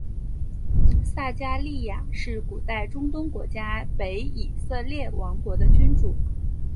撒迦利雅是古代中东国家北以色列王国的君主。